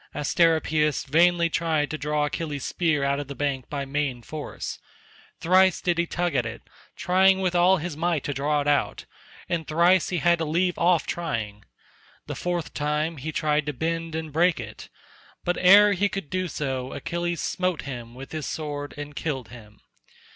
Asteropaeus vainly tried to draw Achilles' spear out of the bank by main force; thrice did he tug at it, trying with all his might to draw it out, and thrice he had to leave off trying; the fourth time he tried to bend and break it, but ere he could do so Achilles smote him with his sword and killed him.